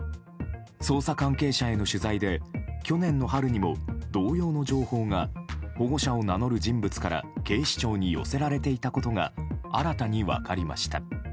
捜査関係者への取材で去年の春にも同様の情報が保護者を名乗る人物から警視庁に寄せられていたことが新たに分かりました。